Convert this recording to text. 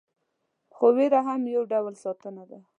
خو ویره هم یو ډول ساتنه ده.